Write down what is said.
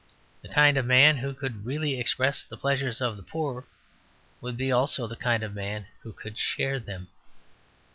The kind of man who could really express the pleasures of the poor would be also the kind of man who could share them.